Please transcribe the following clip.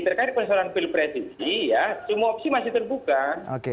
terkait persoalan pilpres ini ya semua opsi masih terbuka